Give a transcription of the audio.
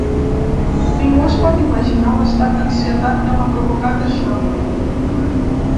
Ningú es pot imaginar l’estat d’ansietat que m’ha provocat això.